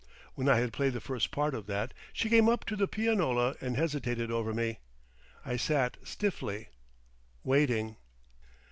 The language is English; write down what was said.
When I had played the first part of that, she came up to the pianola and hesitated over me. I sat stiffly—waiting.